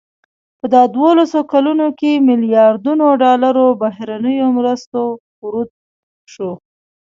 په دا دولسو کلونو کې ملیاردونو ډالرو بهرنیو مرستو ورود شو.